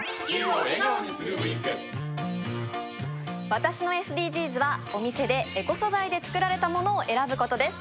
私のＳＤＧｓはお店でエコ素材で作られたものを選ぶことです。